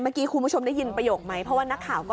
คุณผู้ชมได้ยินประโยคไหมเพราะว่านักข่าวก็